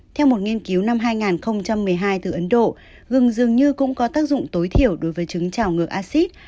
theo một nghiên cứu năm hai nghìn một mươi hai từ ấn độ gừng dường như cũng có tác dụng tối thiểu đối với trứng trào ngược acid